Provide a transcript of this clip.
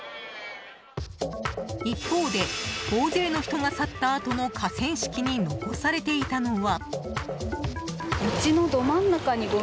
一方で大勢の人が去ったあとの河川敷に残されていたのは。